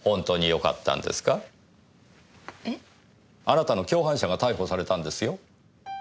あなたの共犯者が逮捕されたんですよ？